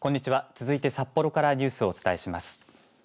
続いて札幌からニュースをお伝えします。